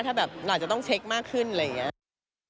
ถ้าแบบเราอาจจะต้องเช็คมากขึ้นอะไรอย่างนี้